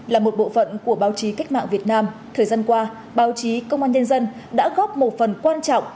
là một bộ phận của báo chí cách mạng việt nam thời gian qua báo chí công an nhân dân đã góp một phần quan trọng